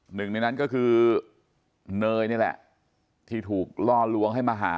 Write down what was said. หนึ่งในนั้นก็คือเนยนี่แหละที่ถูกล่อลวงให้มาหา